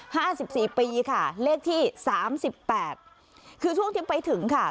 ห้าสิบสี่ปีค่ะเลขที่สามสิบแปดคือช่วงที่ไปถึงค่ะ